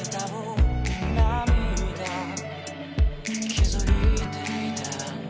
「気づいていたんだ